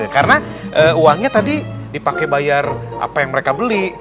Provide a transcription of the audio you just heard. karena uangnya tadi dipakai bayar apa yang mereka beli